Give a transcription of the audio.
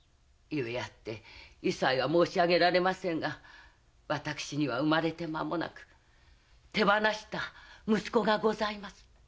故あって委細は申し上げられませんが私には生まれて間もなく手放した息子がございます。